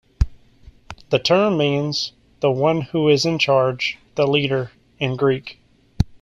The term means "the one who is in charge", "the leader" in Greek.